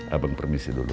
abang permisi dulu